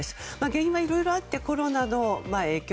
原因はいろいろあってコロナの影響